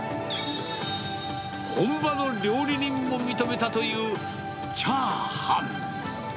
本場の料理人も認めたという、チャーハン。